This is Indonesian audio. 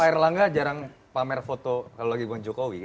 pak erlangga jarang pamer foto kalau lagi dengan jokowi